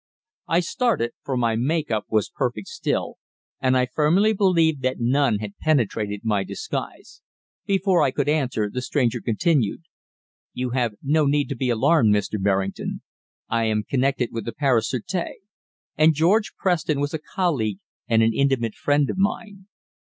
I started, for my make up was perfect still, and I firmly believed that none had penetrated my disguise. Before I could answer, the stranger continued: "You have no need to be alarmed, Mr. Berrington; I am connected with the Paris Sûreté, and George Preston was a colleague and an intimate friend of mine.